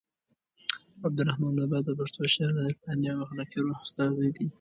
عبدالرحمان بابا د پښتو شعر د عرفاني او اخلاقي روح استازی دی.